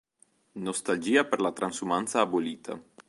Nostalgia per la transumanza abolita.